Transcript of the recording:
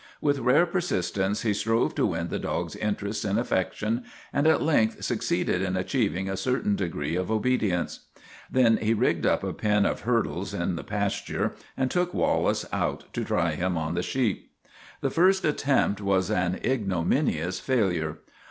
With rare persistence he strove to win the dog's interest and affection, and at length succeeded in achieving a certain degree of THE TWA DOGS O' GLENFERGUS 33 obedience. Then he rigged up a pen of hurdles in the pasture and took Wallace out to try him on the sheep. The first attempt was an ignominious failure.